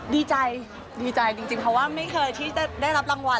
ดีใจดีใจจริงเพราะว่าไม่เคยที่จะได้รับรางวัล